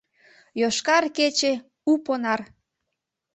«Йошкар кече» — у понар!